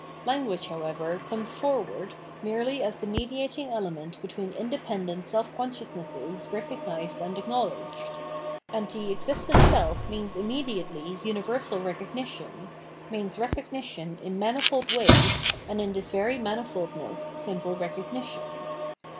Language, however, comes forward merely as the mediating element between independent self conscious nesses recognised and acknowledged ; and the existent self means immediately universal recognition, means recognition in manifold ways and in this very mani foldness simple recognition.